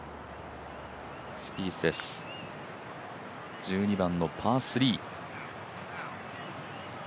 スピースです、１２番のパー３。